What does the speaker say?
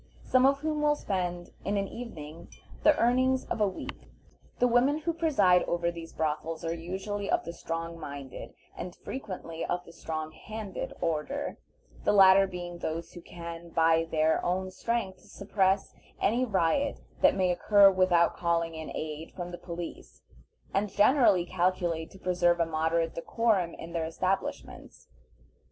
some of whom will spend in an evening the earnings of a week. The women who preside over these brothels are usually of the strong minded, and frequently of the strong handed order, the latter being those who can by their own strength suppress any riot that may occur without calling in aid from the police, and generally calculate to preserve a moderate decorum in their establishments.